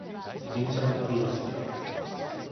電車の旅が好きだ